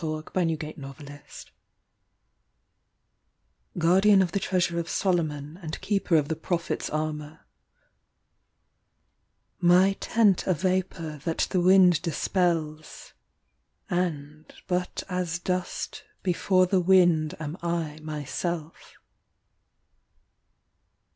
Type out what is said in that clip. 49 SAYING OF IL HABOUL Guardian of the Treasure of Solomon And Keeper of the Prophet s Armour My tent A vapour that The wind dispels and but As dust before the wind am I Myself.